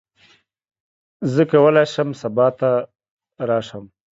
زه کولی شم سبا ته راشم.